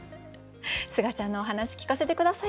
すがちゃんのお話聞かせて下さい。